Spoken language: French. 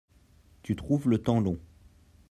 tu trouves le temps long.